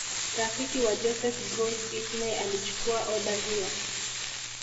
Rafiki wa Joseph Bruce Ismay alichukua oda hiyo